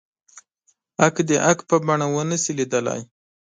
حق د حق په بڼه ونه شي ليدلی.